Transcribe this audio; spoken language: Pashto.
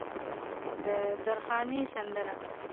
د درخانۍ سندره